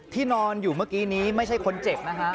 นอนอยู่เมื่อกี้นี้ไม่ใช่คนเจ็บนะฮะ